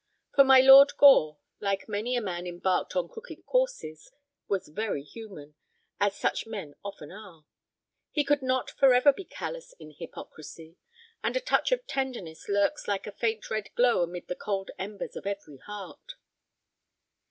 For my Lord Gore, like many a man embarked on crooked courses, was very human, as such men often are. He could not forever be callous in hypocrisy, and a touch of tenderness lurks like a faint red glow amid the cold embers of every heart.